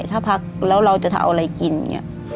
ถ้าพักแล้วเราจะเอาอะไรกินเนี่ย